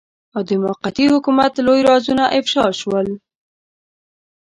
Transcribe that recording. او د موقتي حکومت لوی رازونه افشاء شول.